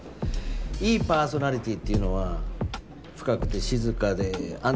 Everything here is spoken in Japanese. いいパーソナリティーっていうのは深くて静かで安定感がある。